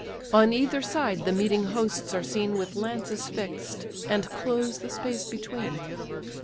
On either side the meeting hosts are seen With lances fix'd, and close the space between.